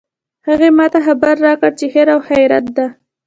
هغې ما ته خبر راکړ چې خیر او خیریت ده